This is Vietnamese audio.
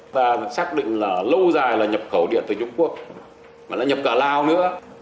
ta xác định là lâu dài là nhập khẩu điện từ trung quốc mà nó nhập cả lao nữa